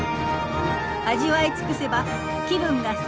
味わい尽くせば気分がすこぶる